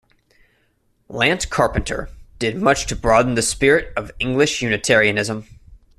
Lant Carpenter did much to broaden the spirit of English Unitarianism.